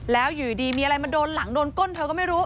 แล้วอยู่ดีมีอะไรมาโดนหลังโดนก้นเธอก็ไม่รู้